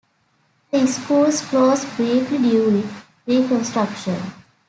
The schools closed briefly during Reconstruction.